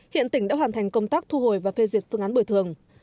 hiện tỉnh đã hoàn thành công tác thu hồi và phê duyệt phương án bồi thường